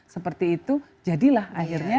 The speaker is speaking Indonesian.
seperti itu jadilah akhirnya